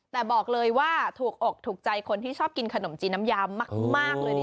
แต่บอกเลยว่าถูกอกถูกใจคนที่ชอบกินขนมจีนน้ำยามากเลย